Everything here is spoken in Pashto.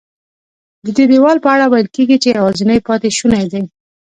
ددې دیوال په اړه ویل کېږي چې یوازینی پاتې شونی دی.